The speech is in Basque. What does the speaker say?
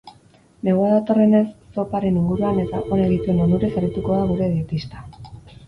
Negua datorrenez, zoparen inguruan eta honek dituen onurez arituko da gure dietista.